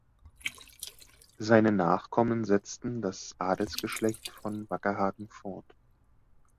Seine Nachkommen setzten das Adelsgeschlecht von Wackerhagen fort.